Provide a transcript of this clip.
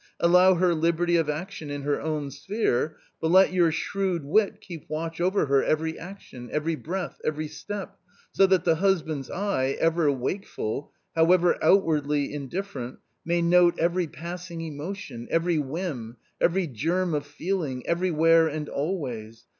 Allow her liberty of action in her own sphere, but let your shrewd wit keep watch over her every action, every breath, every step, so that the husband's eye, ever wakeful — however outwardly indifferent — may note every passing emotion, every whim, every germ of feeling, everywhere and always.